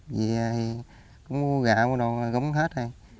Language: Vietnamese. vì vậy cũng mua gạo mua đồ gống hết